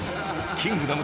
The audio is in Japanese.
『キングダム』！